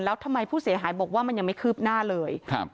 แล้วทำไมผู้เสียหายบอกว่ามันยังไม่คืบหน้าเลยครับ